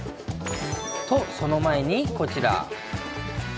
と、その前にこちら。